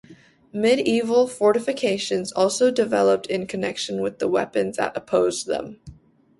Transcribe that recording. Medieval fortifications also developed in connection with the weapons that opposed them.